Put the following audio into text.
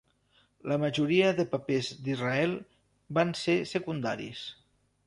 La majoria de papers d’Israel van ser secundaris.